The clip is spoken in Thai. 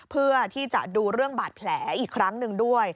เพื่อที่จะดูเรื่องบาดแผลอีกครั้งหนึ่งด้วย